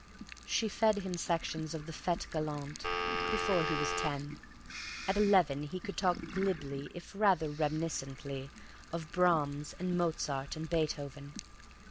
She fed him sections of the "Fetes Galantes" before he was ten; at eleven he could talk glibly, if rather reminiscently, of Brahms and Mozart and Beethoven.